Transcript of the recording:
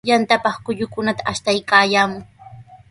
Yantapaq kullukunata ashtaykaayaamun.